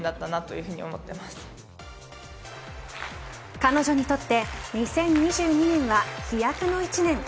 彼女にとって２０２２年は飛躍の１年。